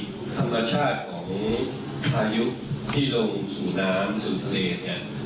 ธรรมชาติของพายุที่ลงสู่น้ำสู่ทะเลเนี่ย